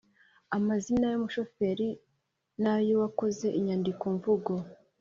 Amazina y'umushoferi n'ay'uwakoze inyandiko-mvugo